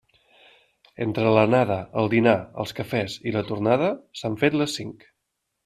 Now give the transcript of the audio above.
Entre l'anada, el dinar, els cafès i la tornada s'han fet les cinc.